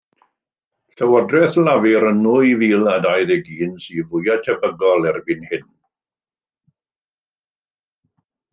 Llywodraeth Lafur yn nwy fil a dau ddeg un sy' fwya' tebygol erbyn hyn.